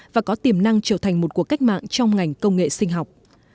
và có tiềm năng trở thành một cuộc cách mạng trong ngành công nghệ sinh học